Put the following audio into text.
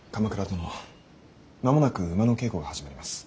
殿間もなく馬の稽古が始まります。